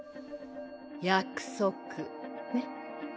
約束ねっ。